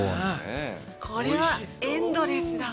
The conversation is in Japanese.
これはエンドレスだわ。